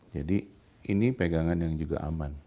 jadi ini pegangan yang juga aman